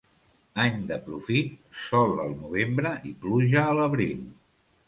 Any de profit: sol al novembre i pluja a l'abril.